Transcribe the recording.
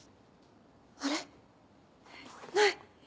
あれっ？ない！